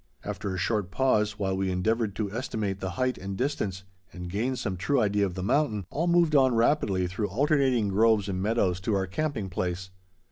After a short pause, while we endeavored to estimate the height and distance and gain some true idea of the mountain, all moved on rapidly through alternating groves and meadows to our camping place.